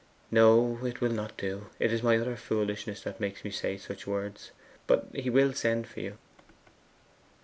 'No; it will not do. It is my utter foolishness that makes me say such words. But he will send for you.